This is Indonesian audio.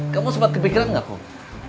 kamu sempat kepikiran gak kum